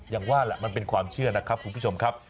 อย่างว่าแหละมันเป็นความเชื่อนะครับคุณผู้ชมครับ